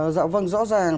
dạ vâng rõ ràng